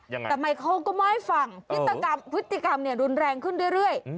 แต่ทำไมเขาก็ไม่ฟังพิธีกรรมเนี่ยลุนแรงขึ้นเรื่อย